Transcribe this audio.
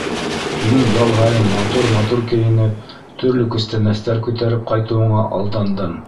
Һинең ял һайын матур-матур кейенеп, төрлө күстәнәстәр күтәреп ҡайтыуыңа алдандым.